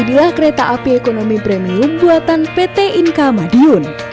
inilah kereta api ekonomi premium buatan pt inka madiun